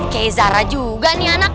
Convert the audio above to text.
kayak zara juga nih anak